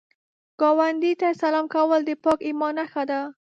ګاونډي ته سلام کول د پاک ایمان نښه ده